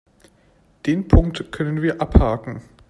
Den Punkt können wir abhaken.